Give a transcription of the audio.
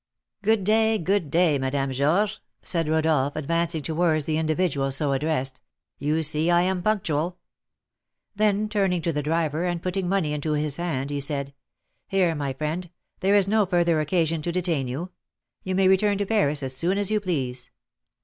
"Good day, good day, Madame Georges," said Rodolph, advancing towards the individual so addressed, "you see I am punctual." Then turning to the driver, and putting money into his hand, he said, "Here, my friend, there is no further occasion to detain you; you may return to Paris as soon as you please."